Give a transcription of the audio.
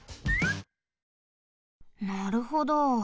なるほど。